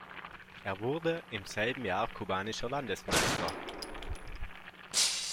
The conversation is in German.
Er wurde im selben Jahr kubanischer Landesmeister.